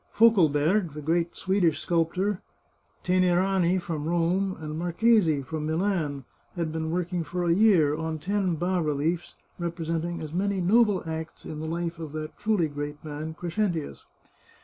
Fokelberg, the great Swedish sculptor, Te nerani, from Rome, and Marchesi, from Milan, had been working for a year on ten bas reliefs representing as many noble acts in the life of that truly great man Crescentius.